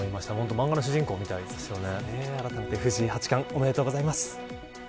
ほんとに漫画の主人公みたいですよね。